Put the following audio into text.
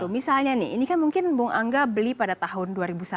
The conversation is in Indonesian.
dua ribu satu misalnya nih ini kan mungkin bu angga beli pada tahun dua ribu satu